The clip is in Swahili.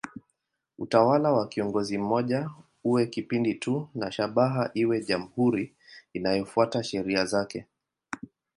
Utawala wa kiongozi mmoja uwe kipindi tu na shabaha iwe jamhuri inayofuata sheria zake.